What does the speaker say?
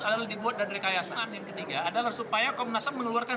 adalah dibuat dari rekayasaan yang ketiga adalah supaya komnas ham mengeluarkan